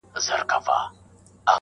لکه ګل په پرېشانۍ کي مي خندا ده٫